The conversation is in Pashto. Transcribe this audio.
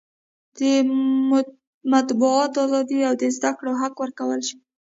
د مطبوعاتو ازادي او د زده کړې حق ورکړل شو.